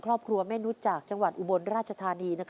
ครอบครัวแม่นุษย์จากจังหวัดอุบลราชธานี